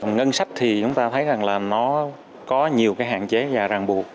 ngân sách thì chúng ta thấy rằng là nó có nhiều cái hạn chế và ràng buộc